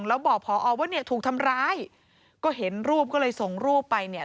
แล้วบอกพอว่าเนี่ยถูกทำร้ายก็เห็นรูปก็เลยส่งรูปไปเนี่ย